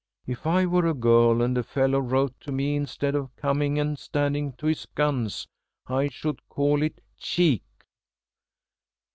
If I were a girl and a fellow wrote to me instead of coming and standing to his guns, I should call it cheek."